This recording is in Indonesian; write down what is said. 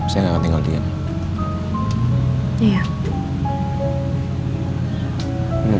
saya gak akan tinggal dengan dia